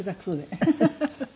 フフフフ。